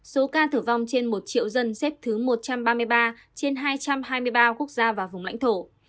số ca tử vong trên một triệu dân xếp thứ một trăm ba mươi ba trên hai trăm hai mươi ba quốc gia và vùng lãnh thổ